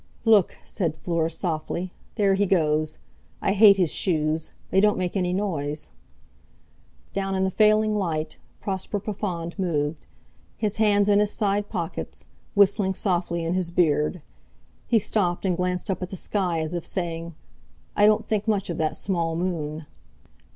"Look!" said Fleur softly. "There he goes! I hate his shoes; they don't make any noise." Down in the failing light Prosper Profond moved, his hands in his side pockets, whistling softly in his beard; he stopped, and glanced up at the sky, as if saying: "I don't think much of that small moon."